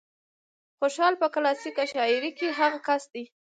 خوشال په کلاسيکه شاعرۍ کې هغه کس دى